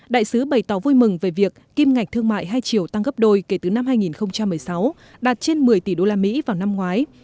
đại sứ bày tỏ vui mừng về việc kim ngạch thương mại hai triệu tăng gấp đôi kể từ năm hai nghìn một mươi sáu đạt trên một mươi tỷ usd vào năm ngoái